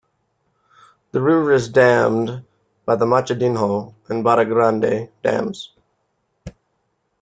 The river is dammed by the Machadinho and Barra Grande Dams.